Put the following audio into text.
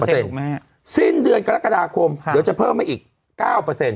เปอร์เซ็นต์สิ้นเดือนกรกฎาคมค่ะเดี๋ยวจะเพิ่มมาอีกเก้าเปอร์เซ็นต์